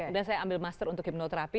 dan saya ambil master untuk hipnoterapi